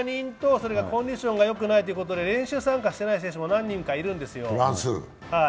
けが人とコンディションがよくないということで、練習に参加してない選手が何人かいるんですよ。